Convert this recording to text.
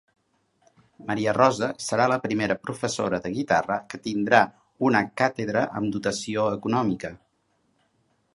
Maria Rosa serà la primera professora de guitarra que tindrà una càtedra amb dotació econòmica.